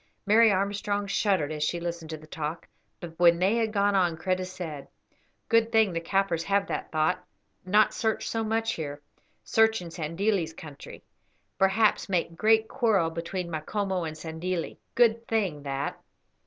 Mary Armstrong shuddered as she listened to the talk, but when they had gone on Kreta said: "Good thing the Kaffirs have that thought, not search so much here. Search in Sandilli's country. Perhaps make great quarrel between Macomo and Sandilli. Good thing that."